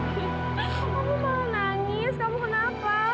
kamu mau nangis kamu kenapa